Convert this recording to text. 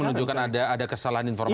menunjukkan ada kesalahan informasi